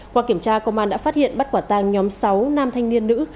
qua kiểm tra công an đã phát hiện bắt quả tàng nhóm sáu nam thanh niên nữ